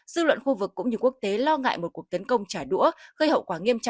dư luận khu vực cũng như quốc tế lo ngại một cuộc tấn công trả đũa gây hậu quả nghiêm trọng